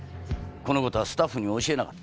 このことはスタッフに教えなかった。